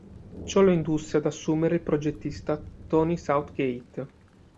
Ciò lo indusse ad assumere il progettista Tony Southgate.